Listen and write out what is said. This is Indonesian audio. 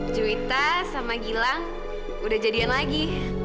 cuwita sama gilang udah jadian lagi